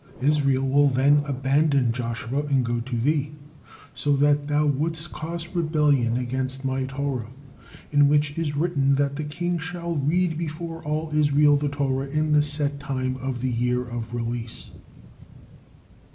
Israel will then abandon Joshua and go to thee, so that thou wouldst cause rebellion against My Torah, in which is written that the king shall read before all Israel the Torah in the set time of the year of release."